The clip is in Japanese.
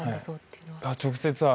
直接は。